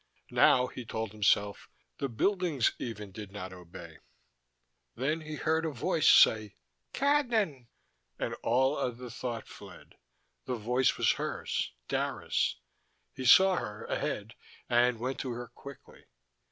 Now, he told himself, the buildings even did not obey. Then he heard a voice say: "Cadnan," and all other thought fled. The voice was hers, Dara's. He saw her, ahead, and went to her quickly.